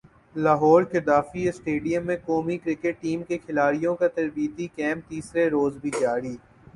Lahore Gaddafi stadium میں قومی cricket team کے کھلاڑیوں کا تربیتی کیمپ تیسرے روز بھی جاری